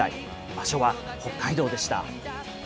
場所は北海道でした。